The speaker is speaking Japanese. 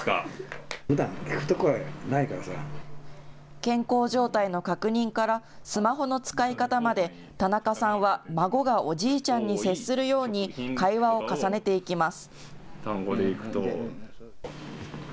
健康状態の確認からスマホの使い方まで田中さんは孫がおじいちゃんに接するように会話を重ねていきます。